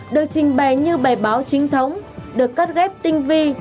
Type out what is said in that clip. được trình bày như bài báo chính thống được cắt ghép tinh vi